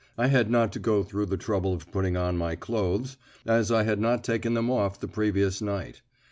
I had not to go through the trouble of putting on my clothes, as I had not taken them off on the previous night.